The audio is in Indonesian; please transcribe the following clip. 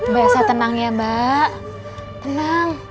biasa tenang ya mbak tenang